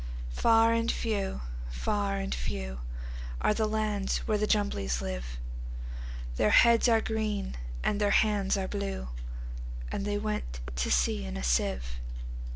Far and few, far and few, Are the lands where the Jumblies live:Their heads are green, and their hands are blue; And they went to sea in a sieve.